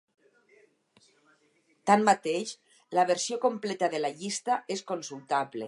Tanmateix, la versió completa de la llista és consultable.